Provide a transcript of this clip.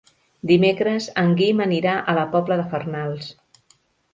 Dimecres en Guim anirà a la Pobla de Farnals.